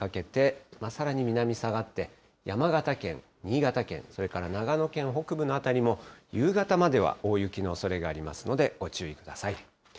さらに午後にかけて、さらに南に下がって、山形県、新潟県、それから長野県北部の辺りも、夕方までは大雪のおそれがありますので、ご注意ください。